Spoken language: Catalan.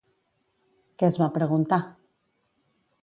Què es va preguntar?